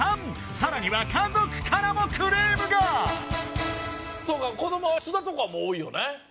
さらには家族からもクレームがそうか子供は津田んとこは多いよね